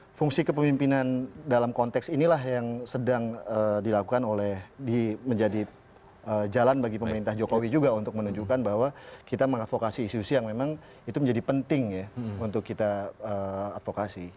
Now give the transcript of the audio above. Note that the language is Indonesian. dan fungsi kepemimpinan dalam konteks inilah yang sedang dilakukan oleh menjadi jalan bagi pemerintah jokowi juga untuk menunjukkan bahwa kita mengadvokasi isu isu yang memang itu menjadi penting ya untuk kita advokasi